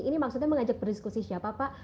ini maksudnya mengajak berdiskusi siapa pak